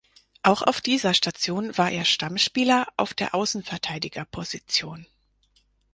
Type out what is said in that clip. Auch auf dieser Station war er Stammspieler auf der Außenverteidigerposition.